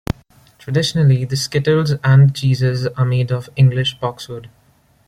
Traditionally the skittles and the cheeses are made of English boxwood.